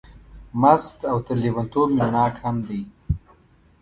مست او تر لېونتوب مینه ناک هم دی.